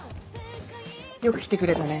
よく来てくれたね